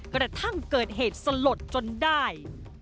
กระทั่งเกิดเหตุสลดจนได้